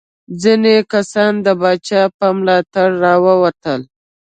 ځینې کسان د پاچا په ملاتړ راووتل.